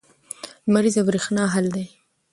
لمریزه برېښنا حل دی.